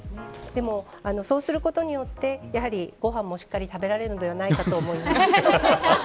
でも、そうすることによってごはんもしっかり食べられるんではないかと思います。